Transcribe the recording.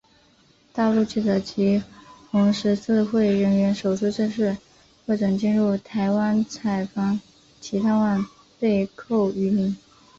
大陆记者及红十字会人员首次正式获准进入台湾采访及探望被扣渔民。